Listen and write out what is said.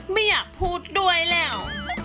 ไม่อยากพูดด้วยแล้ว